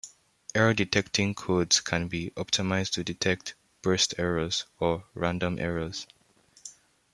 Error detecting codes can be optimised to detect "burst errors", or "random errors".